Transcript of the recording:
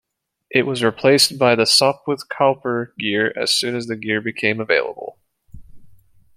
It was replaced by the Sopwith-Kauper gear as soon as that gear became available.